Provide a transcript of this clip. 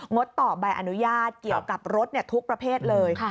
ดต่อใบอนุญาตเกี่ยวกับรถทุกประเภทเลย